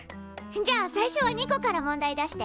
じゃあ最初はニコから問題出して。